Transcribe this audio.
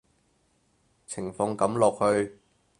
情況噉落去